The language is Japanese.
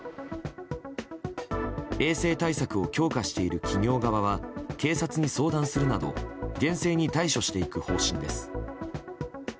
衛生対策を強化している企業側は警察に相談するなど厳正に対処していく方針です。